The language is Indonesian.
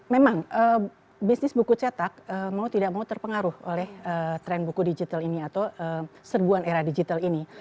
memang bisnis buku cetak mau tidak mau terpengaruh oleh tren buku digital ini atau serbuan era digital ini